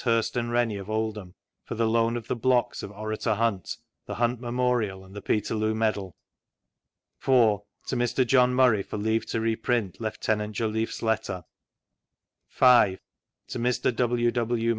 Hirst & Rennie of Oldham, for the loan of the blocks of "Orator Hunt," the "Hunt Memorial," and the "Peterloo Medal"; (4) to Mr, John Murray for leave to reprint Lieutenant Jolliffe's letter; (5} to Mr. W. W.